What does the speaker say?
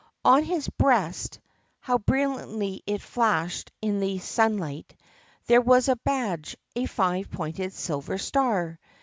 On his breast (how brilliantly it flashed in the sun light!) there was a badge, a five pointed silver star.